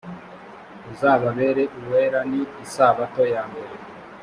uzababere uwera ni isabato yambere